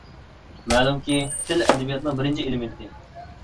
مەلۇمكى، تىل — ئەدەبىياتنىڭ بىرىنچى ئېلېمېنتى.